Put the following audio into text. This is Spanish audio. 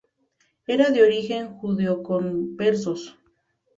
Era de orígenes judeoconversos.